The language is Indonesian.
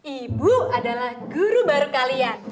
ibu adalah guru baru kalian